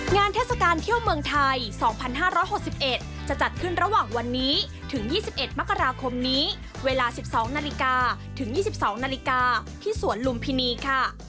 เทศกาลเที่ยวเมืองไทย๒๕๖๑จะจัดขึ้นระหว่างวันนี้ถึง๒๑มกราคมนี้เวลา๑๒นาฬิกาถึง๒๒นาฬิกาที่สวนลุมพินีค่ะ